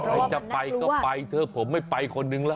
ให้จะไปก็ไปเธอผมไม่ไปคนหนึ่งแล้ว